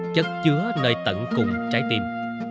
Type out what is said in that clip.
chất chứa nơi tận cùng trái tim